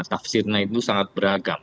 tafsirnya itu sangat beragam